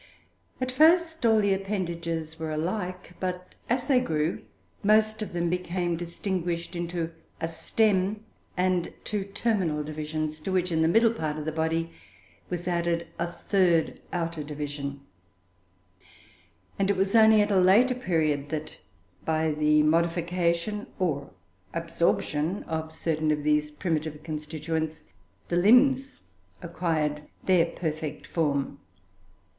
At first, all the appendages were alike, but, as they grew, most of them became distinguished into a stem and two terminal divisions, to which, in the middle part of the body, was added a third outer division; and it was only at a later period, that by the modification, or absorption, of certain of these primitive constituents, the limbs acquired their perfect form.